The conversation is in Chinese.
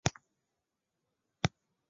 攀鼠为鼠科攀鼠属的动物。